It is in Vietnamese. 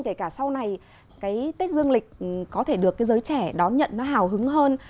kể cả sau này cái tết dương lịch có thể được cái giới trẻ đón nhận nó hào hứng hơn